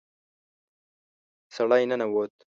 سړی ننوت.